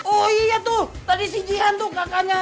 oh iya tuh tadi si jihan tuh kakaknya